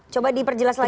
coba diperjelas lagi